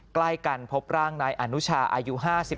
ใกล้กันพบร่างนายอนุชาอายุ๕๓